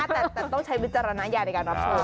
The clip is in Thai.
แต่ต้องใช้วิจารณญาณในการรับชม